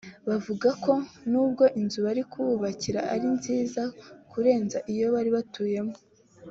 Bavuga ko nubwo inzu bari kubakirwa ari nziza kurenza izo bari batuyemo